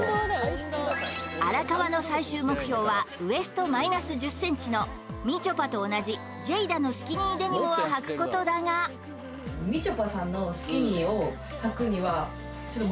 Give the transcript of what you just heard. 荒川の最終目標はウエストマイナス１０ｃｍのみちょぱと同じＧＹＤＡのスキニーデニムをはくことだがよいしょ